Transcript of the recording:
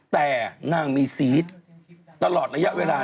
แต่นางมีซีสตลอดระยะเวลา